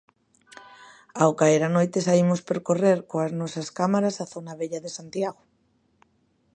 Ao caer a noite saímos percorrer coas nosas cámaras a zona vella de Santiago.